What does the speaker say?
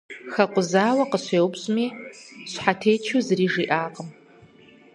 Хэкъузауэ къыщеупщӏми, щхьэтечу зыри жиӏакъым.